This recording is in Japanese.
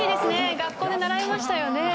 学校で習いましたよね。